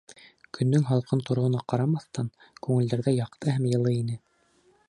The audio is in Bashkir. Көндөң һалҡын тороуына ҡарамаҫтан, күңелдәрҙә яҡты һәм йылы ине.